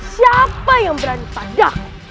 siapa yang berani padah